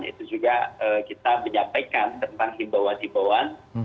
itu juga kita menyampaikan tentang hibauan hibauan